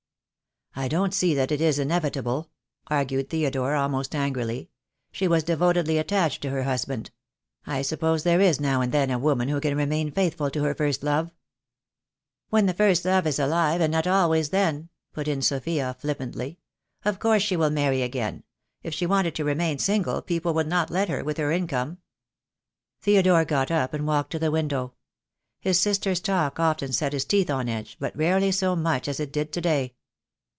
"I don't see that it is inevitable," argued Theodore, almost angrily. "She was devotedly attached to her hus band. I suppose there is now and then a woman who can remain faithful to a first love " "When the first love is alive, and not always then," put in Sophia, flippantly. "Of course she will marry again. If she wanted to remain single people would not let her, with her income." Theodore got up and walked to the window. His sister's talk often set his teeth on edge, but rarely so much as it did to day.